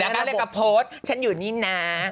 แล้วก็เรียกกับโพสต์ฉันอยู่นี่น้า